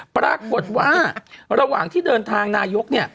ปรากฏว่าระหว่างที่เดินทางนายกเนี่ย